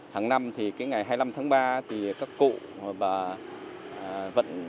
tháng năm thì cái ngày hai mươi năm tháng ba thì các cụ và vẫn